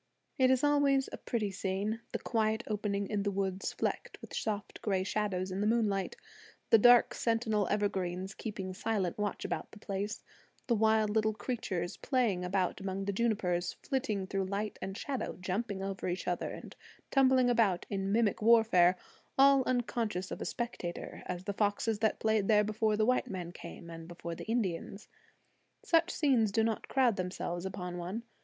It is always a pretty scene, the quiet opening in the woods flecked with soft gray shadows in the moonlight, the dark sentinel evergreens keeping silent watch about the place, the wild little creatures playing about among the junipers, flitting through light and shadow, jumping over each other and tumbling about in mimic warfare, all unconscious of a spectator as the foxes that played there before the white man came, and before the Indians. Such scenes do not crowd themselves upon one.